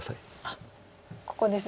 あっここですね。